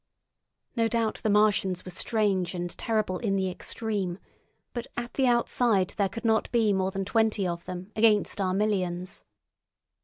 No doubt the Martians were strange and terrible in the extreme, but at the outside there could not be more than twenty of them against our millions.